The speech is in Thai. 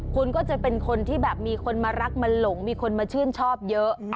คุณก็จะเป็นคนที่แบบมีคนมารักมาหลงมีคนมาชื่นชอบเยอะ